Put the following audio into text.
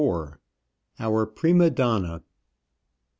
OUR PRIMA DONNA.